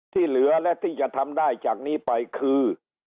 ที่เหลือและที่จะทำได้จากนี้ไปคือ